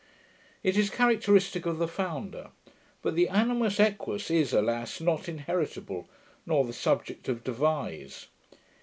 It is characteristick of the founder; but the animus aequus is, alas! not inheritable, nor the subject of devise.